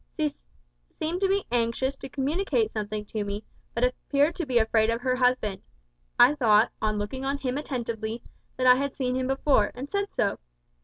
She seemed to be anxious to communicate something to me, but appeared to be afraid of her husband. I thought, on looking at him attentively, that I had seen him before, and said so.